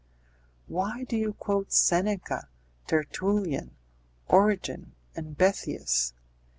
"Why do you quote Seneca, Tertullian, Origen, and Boethius?